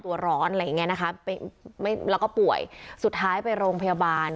ตัวร้อนอะไรอย่างเงี้นะคะแล้วก็ป่วยสุดท้ายไปโรงพยาบาล